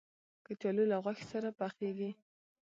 کچالو له غوښې سره پخېږي